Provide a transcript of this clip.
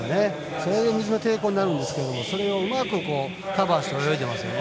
それが水の抵抗になるんですがそれをうまくカバーして泳いでいますね。